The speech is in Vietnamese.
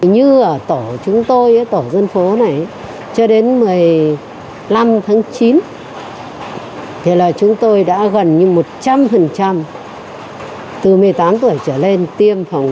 như ở tổ chúng tôi tổ dân phố này cho đến một mươi năm tháng chín thì là chúng tôi đã gần như một trăm linh từ một mươi tám tuổi trở lên tiêm phòng